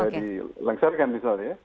dilengsarkan misalnya ya